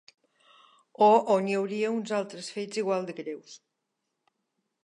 O on hi hauria uns altres fets igual de greus.